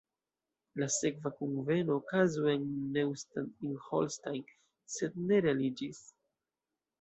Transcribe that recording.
La sekva kunveno okazu en Neustadt in Holstein, sed ne realiĝis.